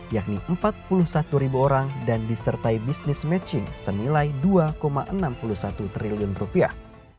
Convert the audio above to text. yakni empat puluh satu ribu orang dan disertai bisnis matching senilai dua enam puluh satu triliun rupiah